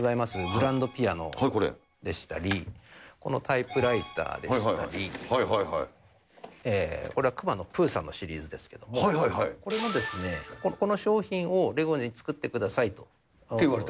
グランドピアノでしたり、このタイプライターでしたり、これはくまのプーさんのシリーズですけれども、これもですね、この商品をレゴで作ってくださいと。